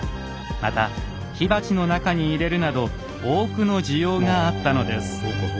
また火鉢の中に入れるなど多くの需要があったのです。